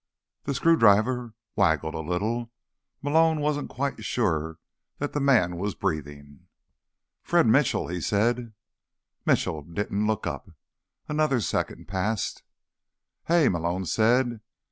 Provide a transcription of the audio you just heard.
The screwdriver waggled a little. Malone wasn't quite sure that the man was breathing. "Fred Mitchell," he said. Mitchell didn't look up. Another second passed. "Hey," Malone said.